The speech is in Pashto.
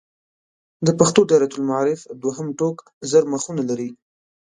د پښتو دایرة المعارف دوهم ټوک زر مخونه لري.